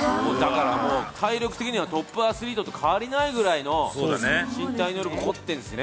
体力的にはトップアスリートと変わらないぐらいの身体能力を持ってるんですね。